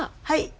はい。